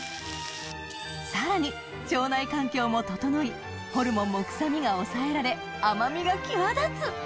さらに腸内環境も整いホルモンも臭みが抑えられ甘味が際立つ